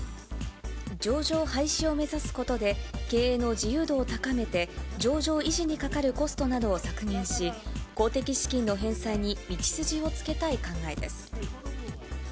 上場廃止を目指すことで、経営の自由度を高めて、上場維持にかかるコストなどを削減し、公的資金の返済に道筋をつけたい考えです。